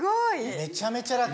めちゃめちゃラク。